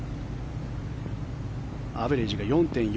アベレージが４．４７７。